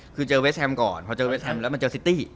คือเจอเวสแฮมก่อนพอเจอเวสแฮมแล้วมันเจอซิตี้